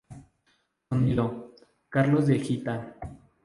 Sonido: Carlos de Hita.